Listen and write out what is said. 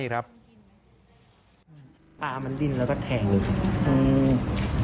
ตามันดิ้นแล้วก็แทงเลยครับ